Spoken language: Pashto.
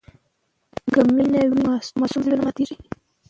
که مینه وي نو د ماسوم زړه نه ماتېږي.